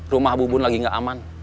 rumah bu bun lagi gak aman